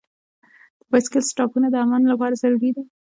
د بایسکل سټاپونه د امن لپاره ضروري دي.